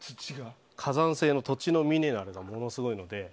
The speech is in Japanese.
火山性の土地のミネラルがものすごいので。